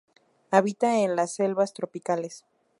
Habita en las selvas tropicales.